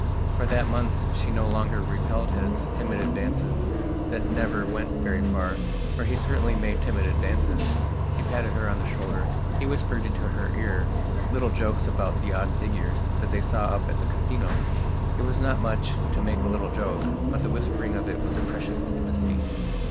For that month she no longer repelled his timid advances that never went very far. For he certainly made timid advances. He patted her on the shoulder; he whispered into her ear little jokes about the odd figures that they saw up at the Casino. It was not much to make a little jokebut the whispering of it was a precious intimacy....